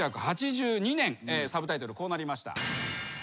サブタイトルこうなりました。